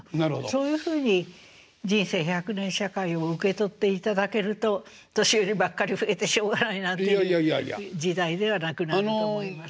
そういうふうに人生１００年社会を受け取っていただけると年寄りばっかり増えてしょうがないなっていう時代ではなくなると思います。